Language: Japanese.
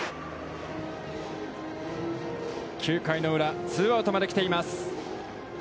９回裏、ツーアウトまで来ています。